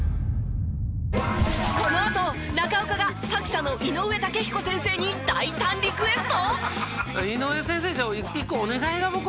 このあと中岡が作者の井上雄彦先生に大胆リクエスト！？